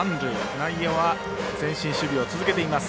内野は前進守備を続けています。